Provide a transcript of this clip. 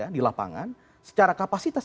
di lapangan secara kapasitas